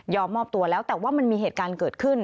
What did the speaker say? มอบตัวแล้วแต่ว่ามันมีเหตุการณ์เกิดขึ้น